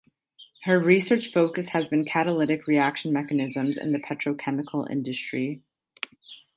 Her research focus has been catalytic reaction mechanisms in the petrochemical industry.